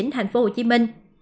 thành phố hồ chí minh